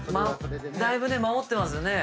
だいぶ守ってますよね